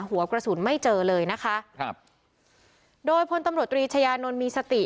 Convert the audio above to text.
หัวกระสุนไม่เจอเลยนะคะครับโดยพลตำรวจตรีชายานนท์มีสติ